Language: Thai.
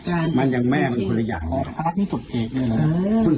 ก็ทำไมวิชานิสลัย